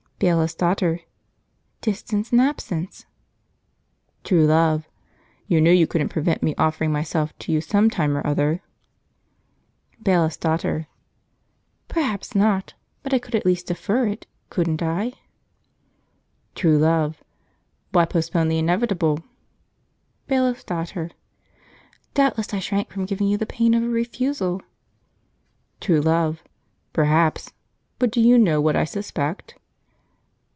Bailiff's Daughter. "Distance and absence." True Love. "You knew you couldn't prevent my offering myself to you sometime or other." Bailiff's Daughter. "Perhaps not; but I could at least defer it, couldn't I?" True Love. "Why postpone the inevitable?" Bailiff's Daughter. "Doubtless I shrank from giving you the pain of a refusal." True Love. "Perhaps; but do you know what I suspect?"